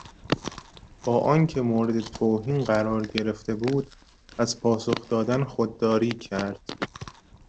با آنکه مورد توهین قرار گرفته بود از پاسخ دادن خودداری کرد.